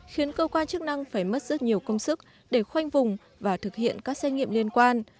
khiến cơ quan chức năng phải mất rất nhiều công sức để khoanh vùng và thực hiện các xét nghiệm liên quan